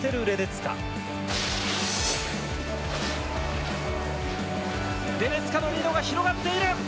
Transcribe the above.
レデツカのリードが広がっている！